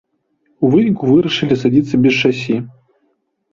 У выніку вырашылі садзіцца без шасі.